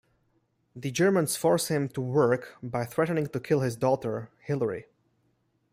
The Germans force him to work by threatening to kill his daughter Hillary.